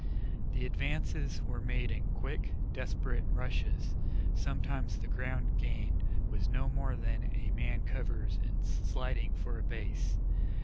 The advances were made in quick, desperate rushes sometimes the ground gained was no more than a man covers in sliding for a base.